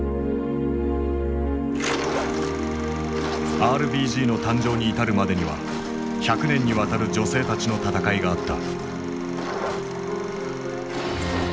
ＲＢＧの誕生に至るまでには百年にわたる女性たちの闘いがあった。